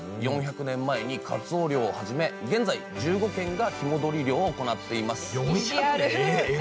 ４００年前にかつお漁を始め現在１５軒が日戻り漁を行っています。